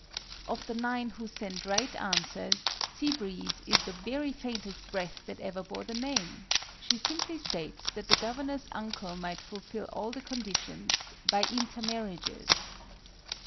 Of the nine who send right answers, SEA BREEZE is the very faintest breath that ever bore the name! She simply states that the Governor's uncle might fulfill all the conditions "by intermarriages"!